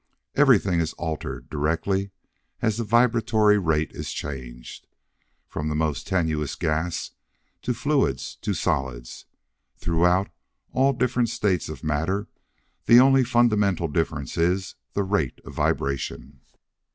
Everything is altered, directly as the vibratory rate is changed. From the most tenuous gas, to fluids to solids throughout all the different states of matter the only fundamental difference is the rate of vibration."